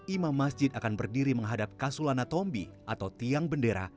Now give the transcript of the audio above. imam masjid akan berdiri menghadap kasulana tombi atau tiang bendera